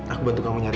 aku bantu kamu nyari